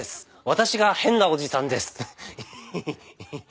私が変なおじさんです。